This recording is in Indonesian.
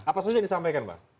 apa saja yang disampaikan pak